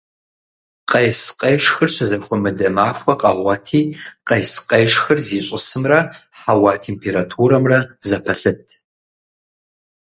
Къес-къешхыр щызэхуэмыдэ махуэ къэгъуэти къес-къешхыр зищӀысымрэ хьэуа температурэмрэ зэпэлъыт.